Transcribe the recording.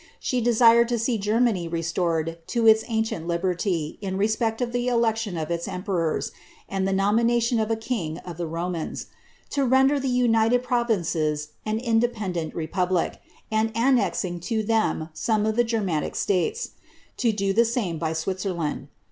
She desired to see Germany restored to its ancient liberty in respect to the election of its emperors, and the nomination of a kinff of the Romans ; to render the united provinces an independent republic, and annexing to them some of the Germanic states ; to do the same by Switzerland.